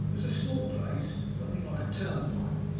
It was a small place something like a turnpike.